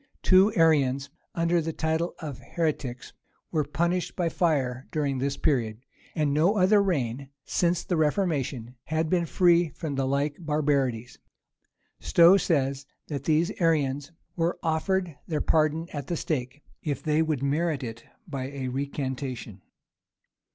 Two Arians, under the title of heretics, were punished by fire during this period; and no other reign, since the reformation, had been free from the like barbarities. Stowe says, that these Arians were offered their pardon at the stake, if they would merit it by a recantation.